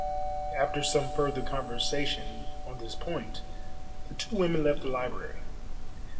After some further conversation on this point the two women left the library.